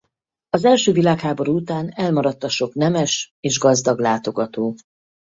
Az első világháború után elmaradt a sok nemes és gazdag látogató.